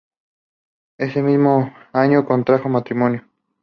Ese mismo año contrajo matrimonio.